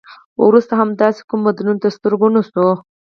وروسته هم داسې کوم بدلون تر سترګو نه شو.